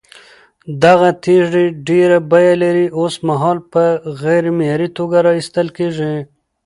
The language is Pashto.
دغه تېږې ډېره بيه لري، اوسمهال په غير معياري توگه راايستل كېږي،